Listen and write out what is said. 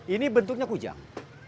ini bentuknya kujang